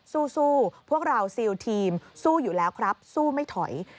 สู้พวกเราซิลทีมสู้อยู่แล้วครับสู้ไม่ถอย